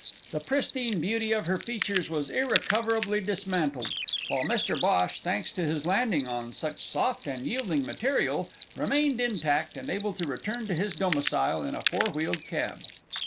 The pristine beauty of her features was irrecoverably dismantled, while Mr Bhosh thanks to his landing on such soft and yielding material remained intact and able to return to his domicile in a four wheeled cab.